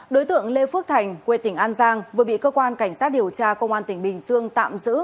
đối tượng lê phước thành quê tỉnh an giang vừa bị cơ quan cảnh sát điều tra công an tỉnh bình dương tạm giữ